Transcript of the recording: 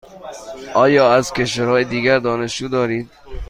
آیا از کشورهای دیگر دانشجو دارید؟